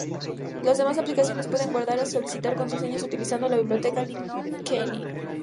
Las demás aplicaciones pueden guardar y solicitar contraseñas utilizando la biblioteca "libgnome-keyring".